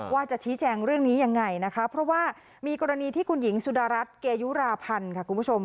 ว่าจะชี้แจงเรื่องนี้ยังไงนะคะเพราะว่ามีกรณีที่คุณหญิงสุดารัฐเกยุราพันธ์ค่ะคุณผู้ชม